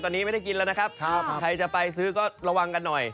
ตอนนี้ไม่ได้กินแล้วนะครับใครจะไปซื้อก็ระวังกันหน่อย